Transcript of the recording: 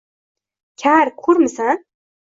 Kar ko’rmisan